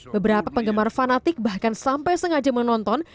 beberapa penggemar fanatik bahkan sampai sengaja menonton